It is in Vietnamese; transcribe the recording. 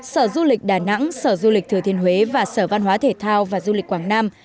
sở du lịch đà nẵng sở du lịch thừa thiên huế và sở văn hóa thể thao và du lịch quảng nam